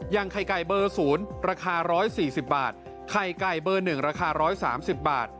ไข่ไก่เบอร์๐ราคา๑๔๐บาทไข่ไก่เบอร์๑ราคา๑๓๐บาท